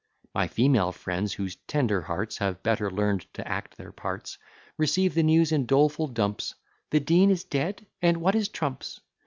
My female friends, whose tender hearts Have better learn'd to act their parts, Receive the news in doleful dumps: "The Dean is dead: (and what is trumps?)